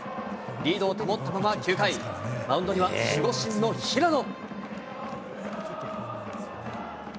リードを保ったまま、９回、マウンドには守護神の平野。